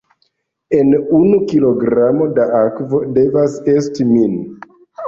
En unu kilogramo da akvo, devas esti min.